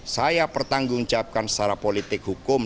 saya pertanggung jawabkan secara politik hukum